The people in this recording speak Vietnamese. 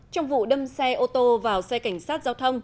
trong vụ đâm xe ô tô vào xe cảnh sát giao thông